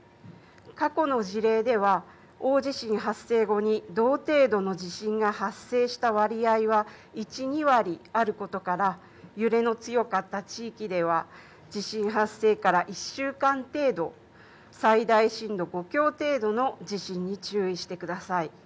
過去の事例では大地震発生後に同程度の地震が発生した割合は１２割あることから、揺れの強かった地域では地震発生から１週間程度、最大震度５強程度の地震に注意してください。